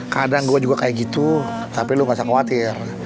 kadang gue juga kayak gitu tapi lo gak usah khawatir